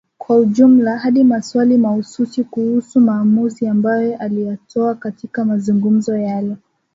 Kwa ujumla hadi maswali mahususi kuhusu maamuzi ambayo aliyatoa katika mazungumzo yale